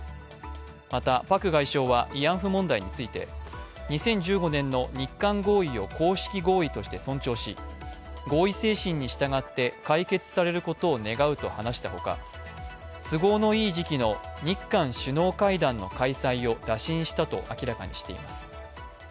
また、パク外相は慰安婦問題について２０１５年の日韓合意を公式合意として尊重し合意精神に従って解決されることを願うと話したほか、都合のいい時期の日韓首脳会談の開催を打診したと明らかにしています。